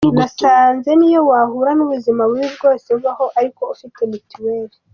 Nasanze niyo wahura n'ubuzima bubi bwose bubaho ariko ufite mituwele".